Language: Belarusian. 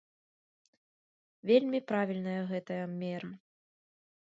Вельмі правільная гэтая мера.